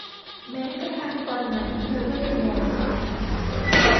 แม้กระทั่งตอนนั้นเธอก็ยัง งง